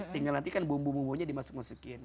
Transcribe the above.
tinggal nanti kan bumbu bumbunya dimasuk masukin